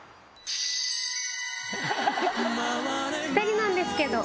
２人なんですけど。